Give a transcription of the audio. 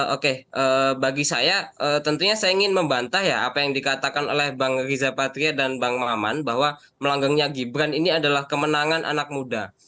oke bagi saya tentunya saya ingin membantah ya apa yang dikatakan oleh bang riza patria dan bang maman bahwa melanggengnya gibran ini adalah kemenangan anak muda